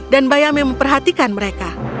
dan bayame memperhatikan mereka